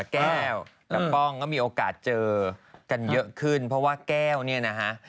แก้วกับป้องก็มีโอกาสเจอกันเยอะขึ้นเพราะว่าแก้วเนี่ยนะฮะ